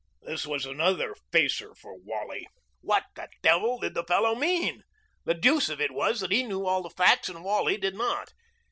This was another facer for Wally. What the devil did the fellow mean? The deuce of it was that he knew all the facts and Wally did not.